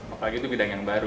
apalagi itu bidang yang baru